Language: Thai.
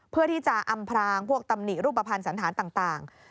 เพื่อที่จะอำพรางพวกตำหนิรูปภัณฑ์สันธารต่าง